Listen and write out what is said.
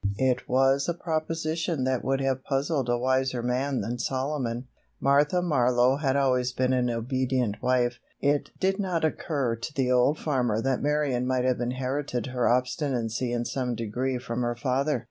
It was a proposition which would have puzzled a wiser man than Solomon. Martha Marlowe had always been an obedient wife. It did not occur to the old farmer that Marion might have inherited her obstinacy in some degree from her father.